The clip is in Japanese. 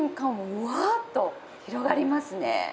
うわっと広がりますね。